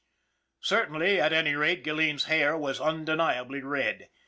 " Certainly, at any rate, Gilleen's hair was undeniably red.